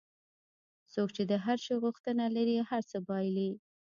څوک چې د هر شي غوښتنه لري هر څه بایلي.